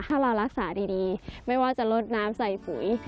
ถ้าเรารักษาดีไม่ว่าจะลดน้ำใส่ปุ๋ย